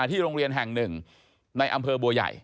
ที่โรงเรียนแห่งหนึ่งในอำเภอบัวใหญ่